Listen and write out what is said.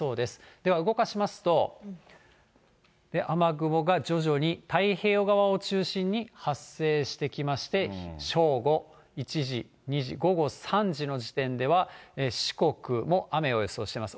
では動かしますと、雨雲が徐々に太平洋側を中心に発生してきまして、正午、１時、２時、午後３時の時点では、四国も雨を予想しています。